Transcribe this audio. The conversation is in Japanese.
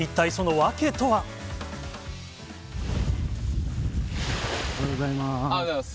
おはようございます。